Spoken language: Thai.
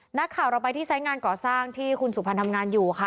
นักข่าวเราไปที่ไซส์งานก่อสร้างที่คุณสุพรรณทำงานอยู่ค่ะ